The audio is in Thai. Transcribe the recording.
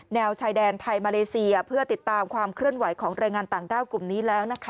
แนวชายแดนไทยมาเลเซียเพื่อติดตามความเคลื่อนไหวของแรงงานต่างด้าวกลุ่มนี้แล้วนะคะ